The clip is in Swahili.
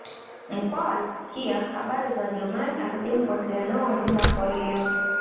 Mkwawa alisikia habari za wajerumani akajaribu kuwasiliana nao lakini hawakuelewana